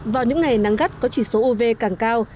vào những ngày nắng gắt có chỉ số uv càng cao